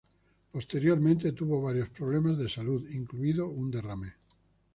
Posteriormente tuvo varios problemas de salud, incluido un derrame.